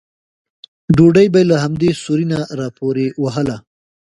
ډوډۍ به یې له همدې سوري نه راپورې وهله.